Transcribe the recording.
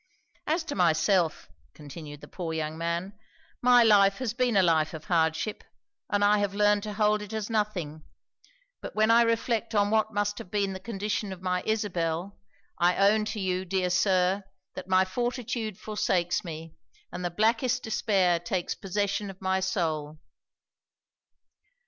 As to myself," continued the poor young man, "my life has been a life of hardship, and I have learned to hold it as nothing; but when I reflect on what must have been the condition of my Isabel, I own to you, dear Sir, that my fortitude forsakes me, and the blackest despair takes possession of my soul."